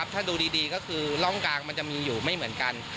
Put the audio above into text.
ถ้าดูดีก็คือร่องกลางมันจะมีอยู่ไม่เหมือนกัน